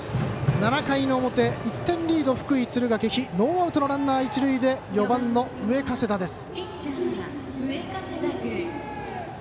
７回の表、１点リード福井、敦賀気比ノーアウト、ランナー、一塁で４番、上加世田です。